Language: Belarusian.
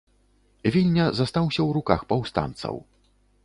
Вільня застаўся ў руках паўстанцаў.